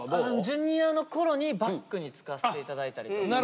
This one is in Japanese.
Ｊｒ．のころにバックにつかせていただいたりとか。